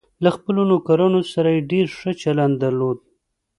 له خپلو نوکرانو سره یې ډېر ښه چلند درلود.